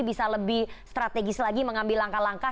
bisa lebih strategis lagi mengambil langkah langkah